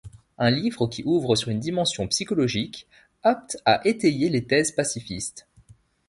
Un livre qui ouvre sur une dimension psychologique apte à étayer les thèses pacifistes.